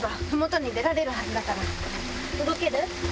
動ける？